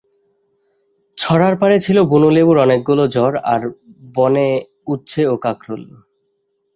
ছড়ার পারে ছিল বুনো লেবুর অনেকগুলো ঝাড় আর বনে উচ্ছে ও কাঁকরোল।